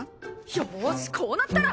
よしこうなったら。